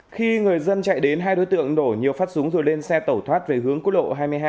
khi người dân chạy đến hai đối tượng đổ nhiều phát súng rồi lên xe tẩu thoát về hướng quốc lộ hai mươi hai